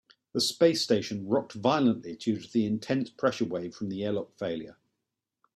The space station rocked violently due to the intense pressure wave from the airlock failure.